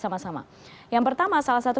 sama sama yang pertama salah satu